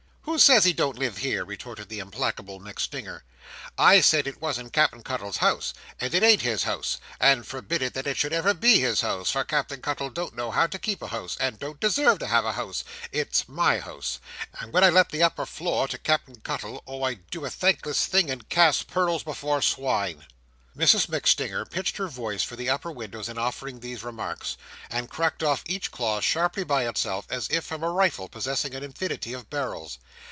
"Who says he don't live here?" retorted the implacable MacStinger. "I said it wasn't Cap'en Cuttle's house—and it ain't his house—and forbid it, that it ever should be his house—for Cap'en Cuttle don't know how to keep a house—and don't deserve to have a house—it's my house—and when I let the upper floor to Cap'en Cuttle, oh I do a thankless thing, and cast pearls before swine!" Mrs MacStinger pitched her voice for the upper windows in offering these remarks, and cracked off each clause sharply by itself as if from a rifle possessing an infinity of barrels.